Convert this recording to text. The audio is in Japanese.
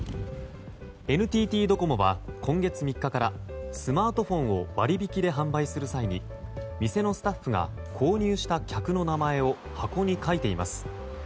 ＮＴＴドコモは今月３日からスマートフォンを割引で販売する際に店のスタッフが購入した客の名前を箱に書いています。